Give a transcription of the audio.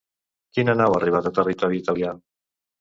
Quina nau ha arribat a territori italià?